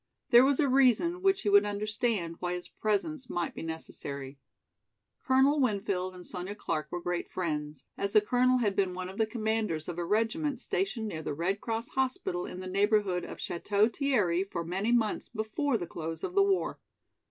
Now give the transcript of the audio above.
There was a reason, which he would understand, why his presence might be necessary. Colonel Winfield and Sonya Clark were great friends, as the colonel had been one of the commanders of a regiment stationed near the Red Cross hospital in the neighborhood of Château Thierry for many months before the close of the war.